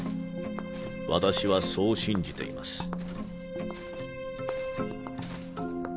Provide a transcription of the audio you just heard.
私はそう信じています。